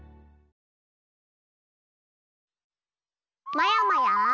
まやまや！